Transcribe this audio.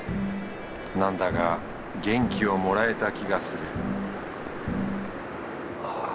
なんだか元気をもらえた気がする